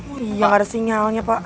oh iya nggak ada sinyalnya pak